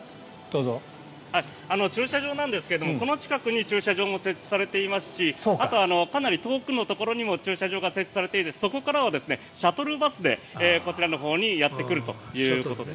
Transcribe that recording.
駐車場なんですがこの近くに駐車場も設置されていますしあとはかなり遠くのところにも駐車場が設置されていてそこからはシャトルバスでこちらのほうにやってくるということです。